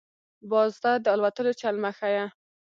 - باز ته دالوتلو چل مه ښیه.